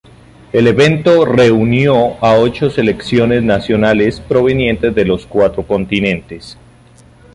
El evento reunió a ocho selecciones nacionales provenientes de los cuatro continentes.